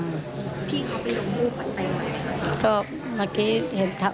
ไม่ค่ะไม่ค่ะ